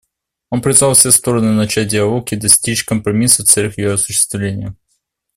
Он призвал все стороны начать диалог и достичь компромисса в целях ее осуществления.